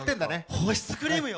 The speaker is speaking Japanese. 保湿クリームよ！